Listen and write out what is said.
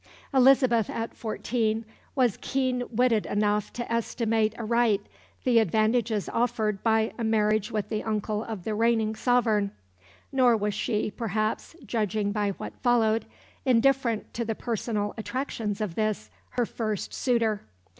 Elizabeth, at fourteen, was keen witted enough to estimate aright the advantages offered by a marriage with the uncle of the reigning sovereign. Nor was she, perhaps, judging by what followed, indifferent to the personal attractions of this, her first suitor.